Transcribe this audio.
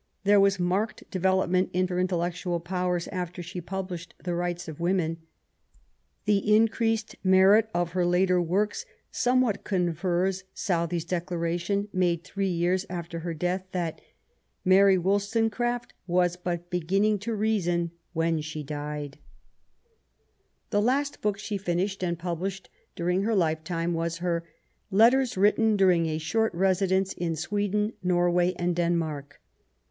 There was marked development in her intellectual powers after she published the Rights of Women. The increased merit of her later works somewhat confirms Southey's declaration, made three years after her death, that '* Mary WoUstonecraft was but beginning to reasou when she died/' LITERARY WORK. 165 The last book she finished and published during her life time was her Letters written during a Short Rest dence in Sweden, Norway, and Denmark.